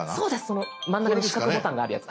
その真ん中に四角ボタンがあるやつ。